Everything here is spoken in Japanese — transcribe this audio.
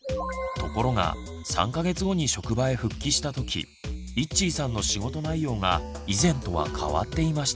ところが３か月後に職場へ復帰した時いっちーさんの仕事内容が以前とは変わっていました。